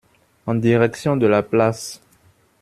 En direction de la place.